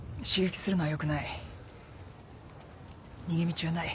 逃げ道はない。